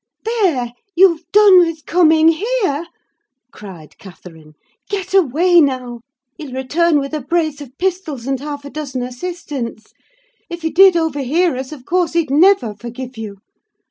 "There! you've done with coming here," cried Catherine. "Get away, now; he'll return with a brace of pistols and half a dozen assistants. If he did overhear us, of course he'd never forgive you.